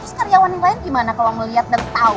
terus karyawan yang lain gimana kalau ngeliat dan tau